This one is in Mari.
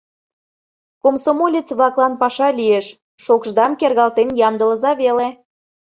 Комсомолец-влаклан паша лиеш, шокшдам кергалтен ямдылыза веле.